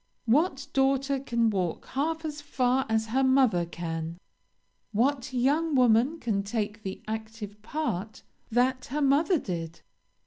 What daughter can walk half as far as her mother can? What young woman can take the active part that her mother did?